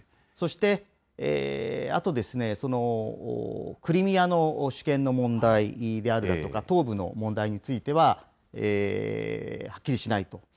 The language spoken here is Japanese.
そしてあとですね、クリミアの主権の問題であるだとか、東部の問題については、はっきりしないと。